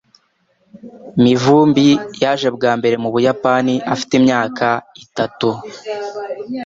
Mivumbi yaje bwa mbere mu Buyapani afite imyaka itatu.